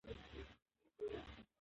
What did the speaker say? رسوب د افغانانو د ګټورتیا برخه ده.